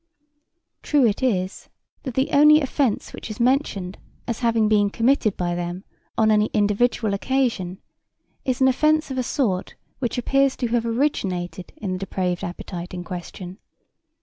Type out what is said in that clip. True it is that the only offence which is mentioned as having been committed by them on any individual occasion is an offence of a sort which appears to have originated in the depraved appetite in question.